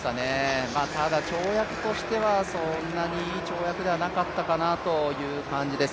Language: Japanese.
ただ、跳躍としてはそんなにいい跳躍ではなかったかなという感じです。